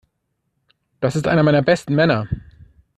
Das ist einer meiner besten Männer.